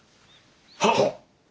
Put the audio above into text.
はっ！